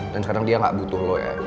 dan sekarang dia gak butuh lo ya